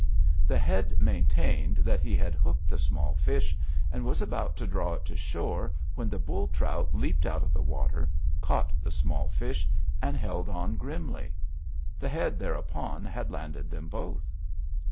The Head maintained that he had hooked the small fish and was about to draw it to shore when the bull trout leaped out of the water, caught the small fish, and held on grimly. The Head thereupon had landed them both.